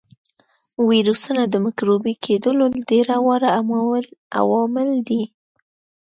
ویروسونه د مکروبي کېدلو ډېر واړه عوامل دي.